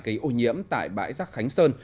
cây ô nhiễm tại bãi rác khánh sơn